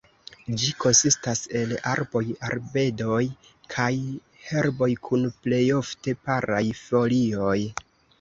Ĝi konsistas el arboj, arbedoj kaj herboj kun plejofte paraj folioj.